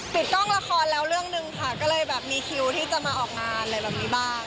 ติดกล้องละครแล้วเรื่องหนึ่งค่ะก็เลยแบบมีคิวที่จะมาออกงานอะไรแบบนี้บ้าง